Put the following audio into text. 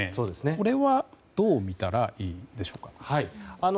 これはどうみたらいいんでしょうか。